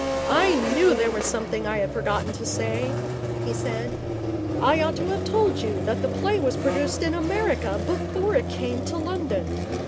'I knew there was something I had forgotten to say,' he said. 'I ought to have told you that the play was produced in America before it came to London.